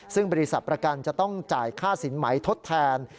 ซึ่งบริษัทประกันจะต้องจ่ายค่าสินไหมทดแทน